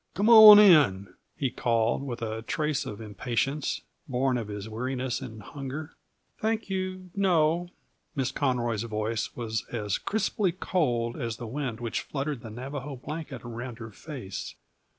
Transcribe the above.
"Come on in," he called, with a trace of impatience born of his weariness and hunger. "Thank you, no." Miss Conroy's voice was as crisply cold as the wind which fluttered the Navajo blanket around her face.